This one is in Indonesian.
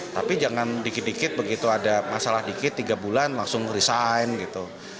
tapi jangan dikit dikit begitu ada masalah dikit tiga bulan langsung resign gitu